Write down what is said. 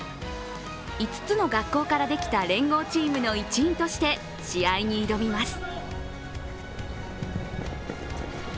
５つの学校からできた連合チームの一員として、試合に挑みます。